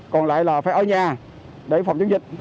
còn lại là phải ở nhà để phòng chống dịch